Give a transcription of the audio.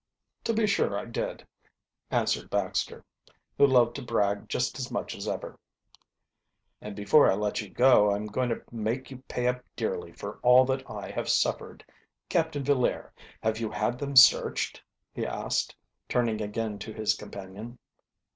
"To be sure I did," answered Baxter, who loved to brag just as much as ever. "And before I let you go I'm going to make you pay up dearly for all that I have suffered. Captain Villaire, have you had them searched?" he asked, turning again to his companion.